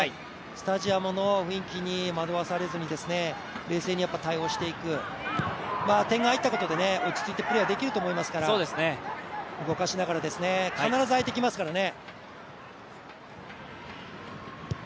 スタジアムの雰囲気に惑わされずに冷静に対応していく、点が入ったことで落ち着いてプレーはできると思いますから動かしながら、必ず空いてきますからね。